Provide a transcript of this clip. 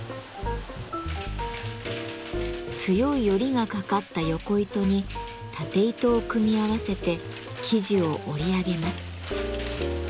強いヨリがかかったヨコ糸にタテ糸を組み合わせて生地を織り上げます。